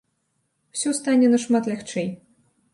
Усё стане нашмат лягчэй.